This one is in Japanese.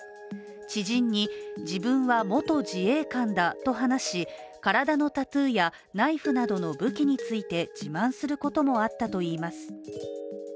知人に自分は元自衛官だと話し、体のタトゥーやナイフなどの武器について自慢することもあったといいます。